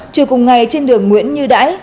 trừ cùng ngày trên đường nguyễn như đãi